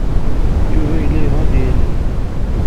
Yuba yella yebɣa ad yalel.